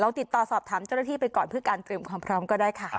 ติดต่อสอบถามเจ้าหน้าที่ไปก่อนเพื่อการเตรียมความพร้อมก็ได้ค่ะ